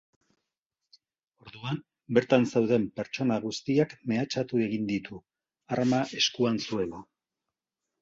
Orduan, bertan zeuden pertsona guztiak mehatxatu egin ditu, arma eskuan zuela.